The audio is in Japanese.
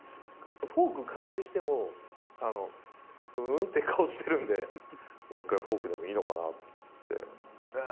フォーク空振りしても、ふーんって顔してるんで、もう１回フォークでもいいのかなって。